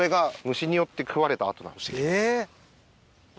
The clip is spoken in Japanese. え！